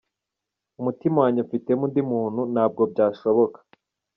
Umutima wanjye mfitemo undi muntu ntabwo byashoboka.